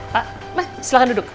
pak mah silakan duduk